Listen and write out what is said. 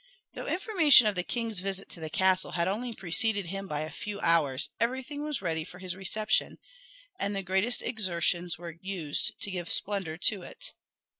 Though information of the king's visit to the castle had only preceded him by a few hours, everything was ready for his reception, and the greatest exertions were used to give splendour to it.